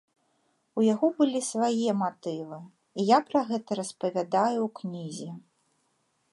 У яго былі свае матывы, і я пра гэта распавядаю ў кнізе.